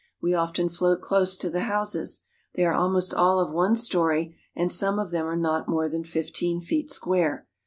We often float close to the houses. They are almost all of one story, and some of them are not more than fifteen feet square.